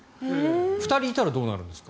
２人いたらどうなるんですか？